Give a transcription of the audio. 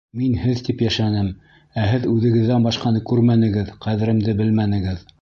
Мин һеҙ тип йәшәнем, ә һеҙ үҙегеҙҙән башҡаны күрмәнегеҙ, ҡәҙеремде белмәнегеҙ.